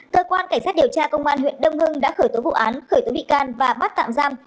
cơ quan cảnh sát điều tra công an huyện đông hưng đã khởi tố vụ án khởi tố bị can và bắt tạm giam